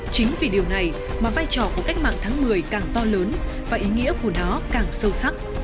chính vì điều này mà vai trò của cách mạng tháng một mươi càng to lớn và ý nghĩa của nó càng sâu sắc